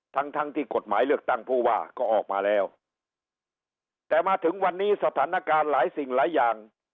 ทั้งทั้งที่กฎหมายเลือกตั้งผู้ว่าก็ออกมาแล้วแต่มาถึงวันนี้สถานการณ์หลายสิ่งหลายอย่าง